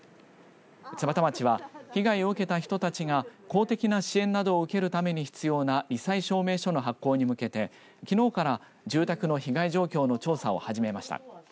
津幡町は被害を受けた人たちが公的な支援などを受けるために必要なり災証明書の発行に向けてきのうから住宅の被害状況の調査を始めました。